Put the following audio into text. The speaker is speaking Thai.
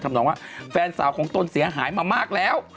น้องว่าแฟนสาวของตนเสียหายมามากแล้ว